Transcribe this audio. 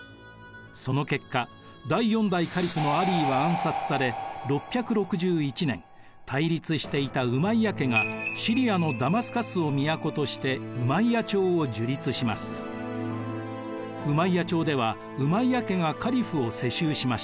その結果第４代カリフのアリーは暗殺され６６１年対立していたウマイヤ家がシリアのダマスカスを都としてウマイヤ朝ではウマイヤ家がカリフを世襲しました。